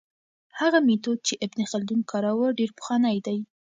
هغه میتود چې ابن خلدون کاروه ډېر پخوانی دی.